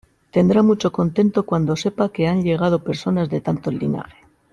tendrá mucho contento cuando sepa que han llegado personas de tanto linaje :